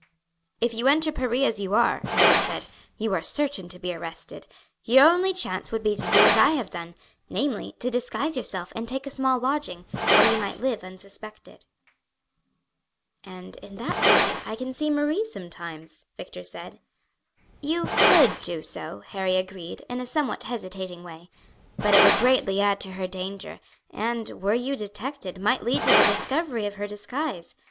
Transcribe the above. "If you enter Paris as you are," Harry said, "you are certain to be arrested. Your only chance would be to do as I have done, namely to disguise yourself and take a small lodging, where you might live unsuspected." "And in that way I can see Marie sometimes," Victor said. "You could do so," Harry agreed, in a somewhat hesitating way, "but it would greatly add to her danger, and, were you detected, might lead to the discovery of her disguise.